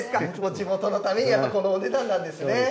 地元のためにこのお値段なんですね。